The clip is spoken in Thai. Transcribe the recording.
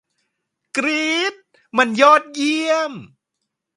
กรี๊ด มันยอดเยี่ยม